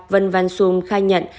vân văn xuân khai nhận